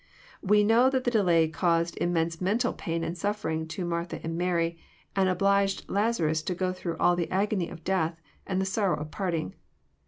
We know that the delay caused immense mental pain and suffering to Martha and Mary, and obliged Lazarus to go through all the agony of death, and the sorrow of parting.